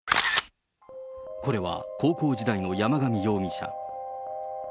これは、高校時代の山上容疑者。